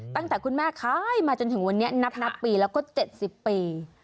ตั้งแต่คุณแม่ขายมาจนถึงวันนี้นับปีแล้วก็๗๐ปี